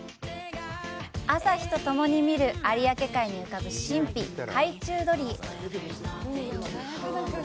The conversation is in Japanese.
朝日とともに見る有明海に浮かぶ神秘、海中鳥居。